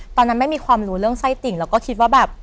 ตอนนั้นไม่มีความรู้เรื่องไส้ติ่งแล้วก็คิดว่าแบบ